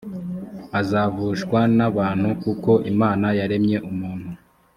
azavushwa n’abantu kuko imana yaremye umuntu